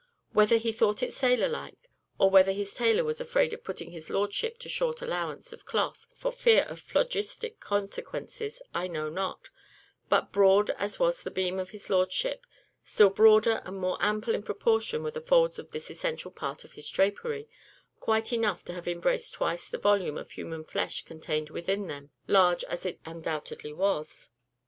Whether he thought it sailor like, or whether his tailor was afraid of putting his lordship to short allowance of cloth, for fear of phlogistic consequences, I know not; but broad as was the beam of his lordship, still broader and more ample in proportion were the folds of this essential part of his drapery, quite enough to have embraced twice the volume of human flesh contained within them, large as it undoubtedly was.